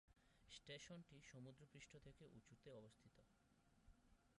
স্টেশনটি সমুদ্রপৃষ্ঠ থেকে উঁচুতে অবস্থিত।